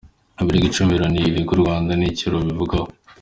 Ibirego icumi Loni irega u Rwanda n’icyo rubivugaho